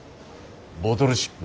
ボトルシップ。